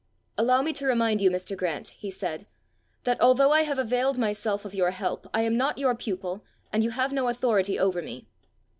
"Allow me to remind you, Mr. Grant," he said, "that, although I have availed myself of your help, I am not your pupil, and you have no authority over me."